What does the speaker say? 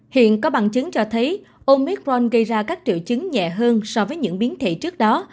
hiện có bằng chứng cho thấy omicron gây ra các triệu chứng nhẹ hơn so với những biến thể trước đó